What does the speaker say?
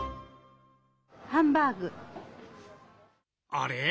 あれ？